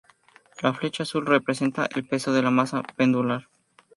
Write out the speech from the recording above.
La flecha azul representa el peso de la masa pendular.